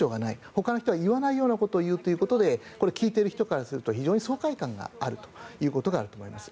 ほかの人が言わないことを言うということで聞いている人からすると非常に爽快感があるということがあります。